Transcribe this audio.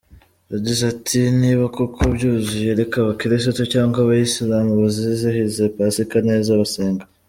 Yagize ati “Niba koko byuzuye reka abakirisitu cyangwa abayisilamu bazizihize Pasika neza basenga.